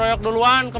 masih di pasar